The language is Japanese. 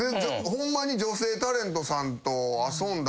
ホンマに女性タレントさんと遊んだがないねんな。